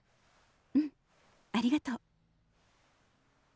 うんありがとう。